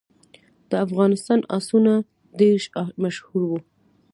د افغانستان آسونه ډیر مشهور وو